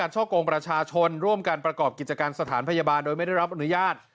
ช่อกงประชาชนร่วมการประกอบกิจการสถานพยาบาลโดยไม่ได้รับอนุญาต